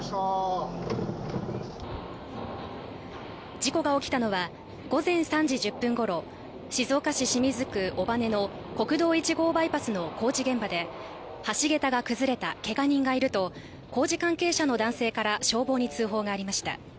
事故が起きたのは午前３時１０分ごろ、静岡市清水区尾羽の国道１号バイパスの工事現場で、橋げたが崩れた、けが人がいると工事関係者の男性から消防に通報がありました。